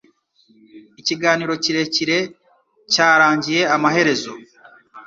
Ikiganiro kirekire cyarangiye amaherezo.